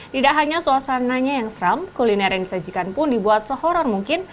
tidak hanya suasananya yang seram kuliner yang disajikan pun dibuat sehor mungkin